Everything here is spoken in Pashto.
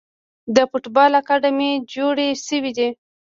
د فوټبال اکاډمۍ جوړې شوي دي.